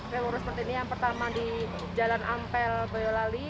jalur seperti ini yang pertama di jalan ampel boyolali